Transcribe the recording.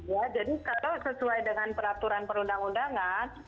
jadi kalau sesuai dengan peraturan perundang undangan